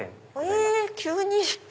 え急に！